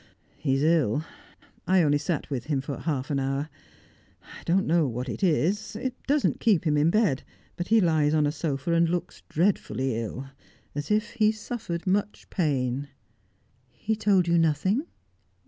"He is ill. I only sat with him for half an hour. I don't know what it is. It doesn't keep him in bed; but he lies on a sofa, and looks dreadfully ill, as if he suffered much pain." "He told you nothing?"